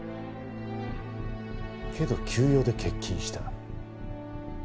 けど急用で欠勤した。